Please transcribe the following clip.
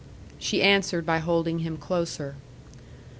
She answered by holding him closer.